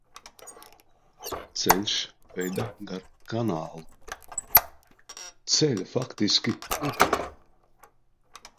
Ceļš veda gar kanālu, ceļa faktiski nebija.